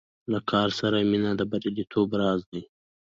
له کار سره مینه د بریالیتوب راز دی.